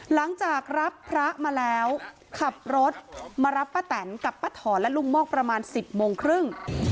หลังจากรับพระมาแล้วขับรถมารับป้าแตนกับป้าถอนและลุงมอกประมาณ๑๐โมงครึ่ง